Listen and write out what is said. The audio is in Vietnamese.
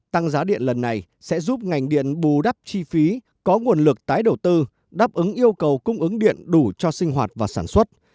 tăng giá điện lần này sẽ giúp ngành điện bù đắp chi phí có nguồn lực tái đầu tư đáp ứng yêu cầu cung ứng điện đủ cho sinh hoạt và sản xuất